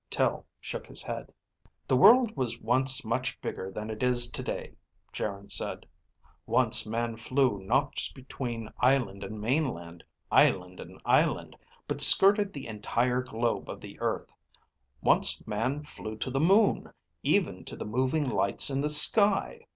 Tel shook his head. "The world was once much bigger than it is today," Geryn said. "Once man flew not just between island and mainland, island and island, but skirted the entire globe of the earth. Once man flew to the moon, even to the moving lights in the sky.